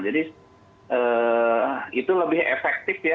jadi itu lebih efektif ya